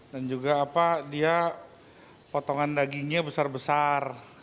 dan juga apa dia potongan dagingnya besar besar